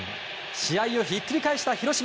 試合をひっくり返した広島。